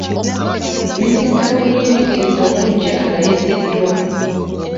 Minisita w’ebyenjigiriza omuggya alayiziddwa.